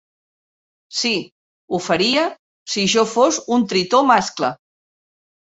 Sí, ho faria, si jo fos un tritó mascle.